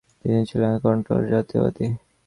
তিনি ছিলেন এক কট্টর জাতীয়তাবাদী।